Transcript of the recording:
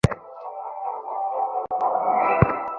কাল তাহাকে গ্রামে ফিরিতে হইবে।